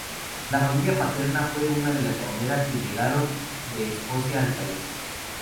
La familia paterna fue una de las primeras que llegaron de Escocia al país.